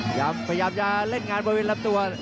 พยายามจะเล่นงานบริเวณลำตัว